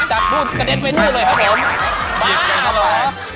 จับรูดกระเด็นไปหนึ่งเลยครับผม